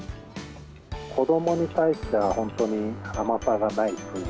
子どもに対しては本当に甘さがないという。